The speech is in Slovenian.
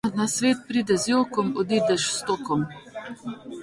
Na svet prideš z jokom, odideš s stokom.